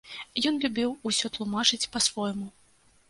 Ён любіў усё тлумачыць па-свойму.